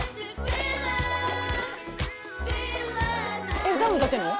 え歌も歌ってんの？